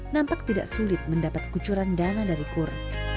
nampak tidak sulit mendapat kucuran dana dari kur